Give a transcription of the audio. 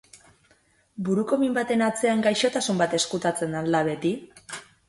Buruko min baten atzean gaixotasun bat ezkutatzen al da beti?